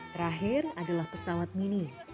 terakhir adalah pesawat mini